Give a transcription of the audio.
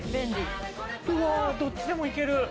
どっちでもいける！